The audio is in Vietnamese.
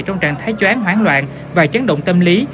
trong trạng thái choán hoán loạn và chán động tâm lý